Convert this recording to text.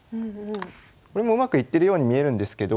これもうまくいってるように見えるんですけど。